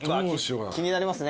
気になりますね